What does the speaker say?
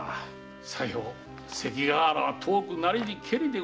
さよう関ヶ原は遠くなりにけりでございますからな。